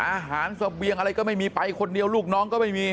อาหารเสบียงอะไรก็ไม่มีไปคนเดียวลูกน้องก็ไม่มี